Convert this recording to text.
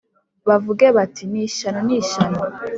bavuge bati “Ni ishyano, ni ishyano!